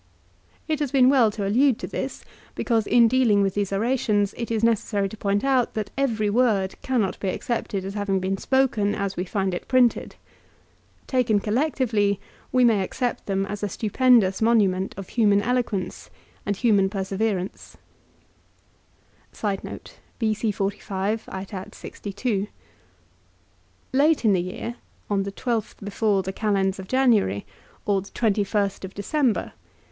It has been well to allude to this because in dealing with these orations it is necessary to point out that every word cannot be ac cepted as having been spoken as we find it printed. Taken collectively we may accept them as a stupendous monument of human eloquence and human perseverance. Late in the year, on the 12th before the calends of January, . or the 21st of December.